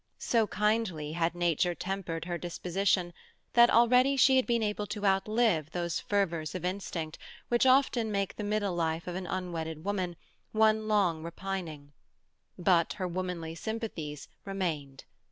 So kindly had nature tempered her disposition, that already she had been able to outlive those fervours of instinct which often make the middle life of an unwedded woman one long repining; but her womanly sympathies remained.